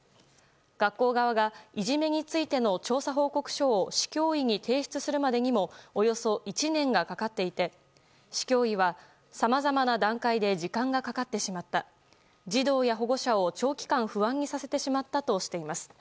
学校側がいじめについての調査報告書を市教委に提出するまでにもおよそ１年がかかっていて市教委は、さまざまな段階で時間がかかってしまった児童や保護者を長期間、不安にさせてしまったとしています。